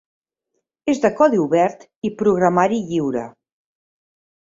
És de codi obert i programari lliure.